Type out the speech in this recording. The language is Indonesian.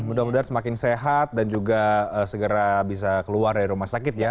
mudah mudahan semakin sehat dan juga segera bisa keluar dari rumah sakit ya